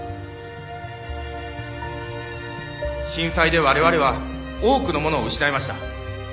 震災で我々は多くのものを失いました。